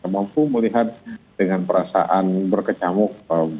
mampu melihat dengan perasaan berkecamuk